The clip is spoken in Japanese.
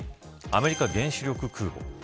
アメリカ原子力空母。